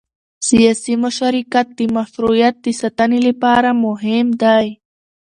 سیاسي مشارکت د مشروعیت د ساتنې لپاره مهم دی